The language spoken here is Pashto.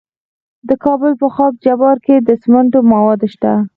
د کابل په خاک جبار کې د سمنټو مواد شته.